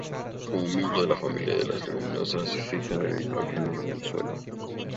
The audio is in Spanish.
Como miembro de la familia de las leguminosas, fijan el nitrógeno en el suelo.